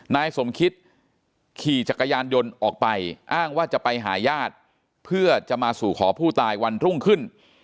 นายสมคิตขี่จักรยานยนต์ออกไปอ้างว่าจะไปหาญาติเพื่อจะมาสู่ขอผู้ตายวันรุ่งขึ้น